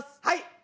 はい！